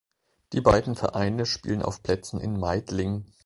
Die beiden Vereine spielen auf Plätzen in Meidling.